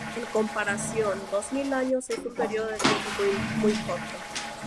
En comparación, dos mil años es un periodo de tiempo muy corto.